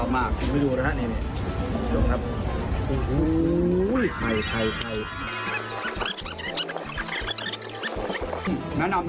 ไปดูนั้นดูครับ